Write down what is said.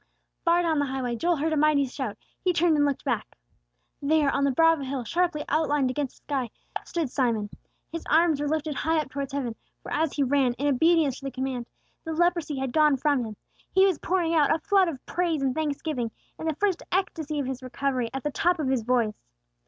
Far down the highway Joel heard a mighty shout; he turned and looked back. There on the brow of a hill, sharply outlined against the sky, stood Simon. His arms were lifted high up towards heaven; for as he ran, in obedience to the command, the leprosy had gone from him. He was pouring out a flood of praise and thanksgiving, in the first ecstasy of his recovery, at the top of his voice.